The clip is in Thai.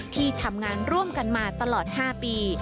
ที่ทำงานร่วมกันมาตลอด๕ปี